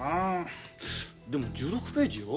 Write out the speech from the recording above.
でも１６ページよ。